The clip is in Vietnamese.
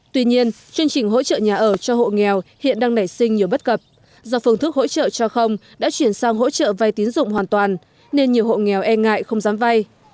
tuy nhiên chương trình hỗ trợ nhà ở cho hộ nghèo hiện đang nảy sinh nhiều bất cập do phương thức hỗ trợ cho không đã chuyển sang hỗ trợ vay tín dụng hoàn toàn nên nhiều hộ nghèo e ngại không dám vay